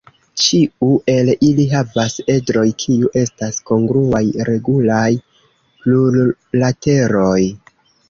Ĉiu el ili havas edroj kiu estas kongruaj regulaj plurlateroj.